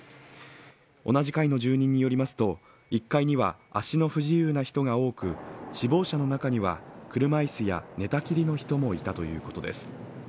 同じ階の住人によりますと１階には足の不自由な人が多く死亡者の中には車椅子や寝たきりの人もいたということです。